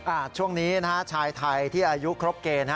ช่วงนี้นะฮะชายไทยที่อายุครบเกณฑ์ฮะ